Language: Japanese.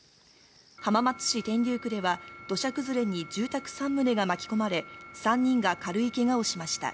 浜松市天竜区では土砂崩れに住宅３棟が巻き込まれ、３人が軽いけがをしました。